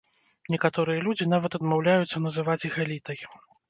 Некаторыя людзі нават адмаўляюцца называць іх элітай.